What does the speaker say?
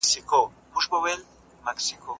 ریښتین شیرخان د څېړني پړاوونه په بشپړ ډول بیان کړي دي.